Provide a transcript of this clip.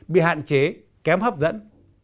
bị hạn chế kém hấp dẫn